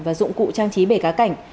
và dụng cụ trang trí bể cá cảnh